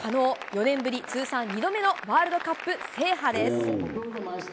４年ぶり、通算２度目のワールドカップ制覇です。